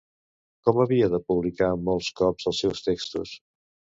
Com havia de publicar molts cops els seus textos?